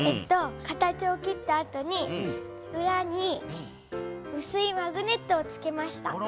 形を切ったあとにうらにうすいマグネットをつけました。